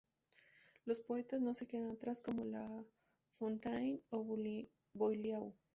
Los poetas no se quedan atrás, como La Fontaine o Boileau.